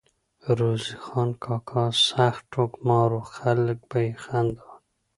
روزې خان کاکا سخت ټوکمار وو ، خلک به ئی خندول